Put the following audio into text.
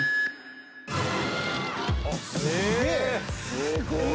すごい。